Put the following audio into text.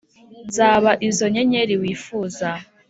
nzaba izo nyenyeri wifuza